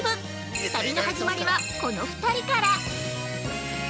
旅の始まりはこの２人から。